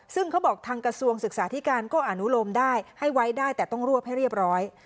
ซึ่งเขาบอกทางกระทรวงศึกษาธิการก็อนุโลมได้ให้ไว้ได้แต่ต้องรวบให้เรียบร้อย